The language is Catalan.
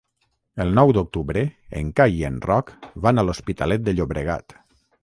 El nou d'octubre en Cai i en Roc van a l'Hospitalet de Llobregat.